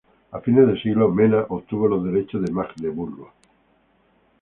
A fines del siglo, Mena obtuvo los derechos de Magdeburgo.